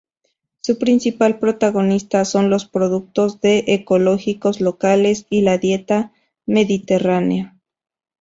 Su principal protagonista son los productos del ecológicos locales y la dieta mediterránea.